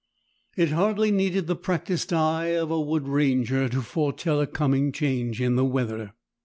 It hardly needed the practised eye of a wood ranger to foretell a coming change in the weather.